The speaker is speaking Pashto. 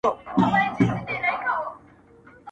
يمه د محوې په امکان کې، په ورو - ورو ورانېږم